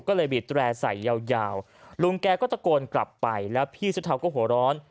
ก็เลยบีดแร่ใส่ยาวลุงแกก็ตะโกนกลับไปแล้วพี่เสื้อเทาก็หัวร้อน